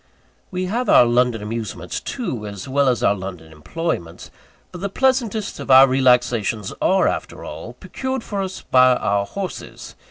We have our London amusements, too, as well as our London employments. But the pleasantest of our relaxations are, after all, procured for us by our horses.